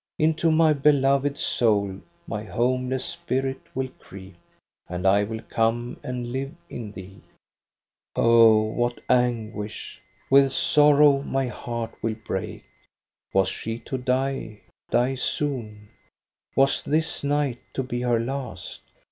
Into my beloved's soul my homeless spirit will creep And I will come and live in thee.' Oh what anguish ! With sorrow my heart will break. Was she to die, die soon ? Was this night to be her last?